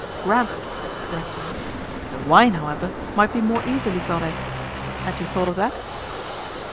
'Granted,' said Racksole. 'The wine, however, might be more easily got at. Had you thought of that?